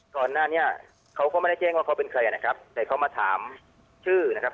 ก่อนหน้านี้เขาก็ไม่ได้แจ้งว่าเขาเป็นใครนะครับแต่เขามาถามชื่อนะครับ